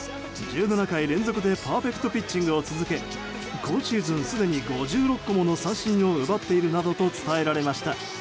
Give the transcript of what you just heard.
１７回連続でパーフェクトピッチングを続け今シーズンすでに５６個もの三振を奪っているなどと伝えられました。